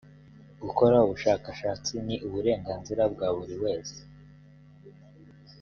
gukora ubushakashatsi ni uburenganzira bwa buri wose